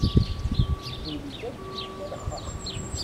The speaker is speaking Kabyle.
Ddunit akk d talexxaxt.